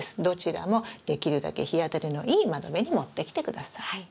どちらもできるだけ日当たりのいい窓辺に持ってきて下さい。